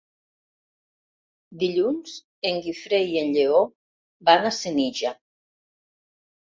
Dilluns en Guifré i en Lleó van a Senija.